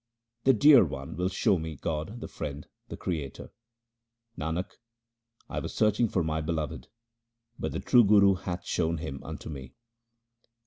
The dear one will show me God the Friend, the Creator. Nanak, I was searching for my Beloved, but the true Guru hath shown Him unto me.